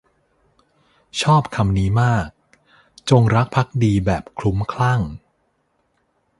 ชอบคำนี้มาก “จงรักภักดีแบบคลุ้มคลั่ง”